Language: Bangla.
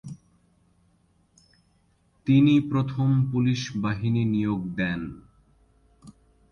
তিনি প্রথম পুলিশ বাহিনী নিয়োগ দেন।